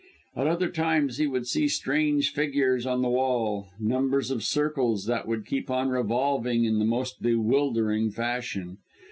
At other times he would see strange figures on the wall numbers of circles, that would keep on revolving in the most bewildering fashion.